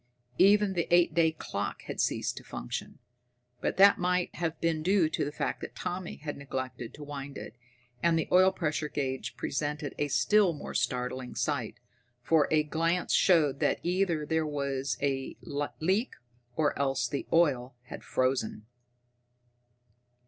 Even the eight day clock had ceased to function, but that might have been due to the fact that Tommy had neglected to wind it. And the oil pressure gauge presented a still more startling sight, for a glance showed that either there was a leak or else the oil had frozen.